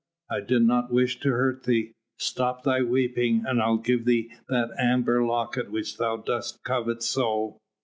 I did not wish to hurt thee. Stop thy weeping and I'll give thee that amber locket which thou dost covet so.